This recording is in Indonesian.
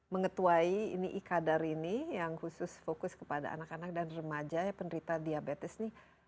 mengetuai ini ikadar ini yang khusus fokus kepada anak anak dan remaja ya penderita diabetes ini